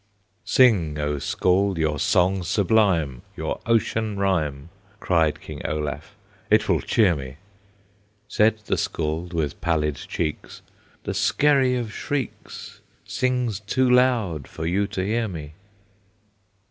"Sing, O Scald, your song sublime, Your ocean rhyme," Cried King Olaf: "it will cheer me!" Said the Scald, with pallid cheeks, "The Skerry of Shrieks Sings too loud for you to hear me!"